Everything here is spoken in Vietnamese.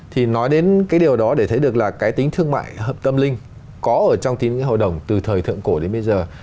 thì nói đến cái điều đó để thấy được là cái tính thương mại tâm linh có ở trong tính hầu đồng từ thời thượng cổ đến bây giờ